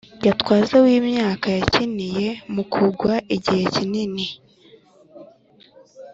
Gatwaza w’imyaka yakiniye Mukugwa igihe kinini